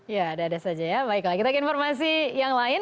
ya ada ada saja ya baiklah kita ke informasi yang lain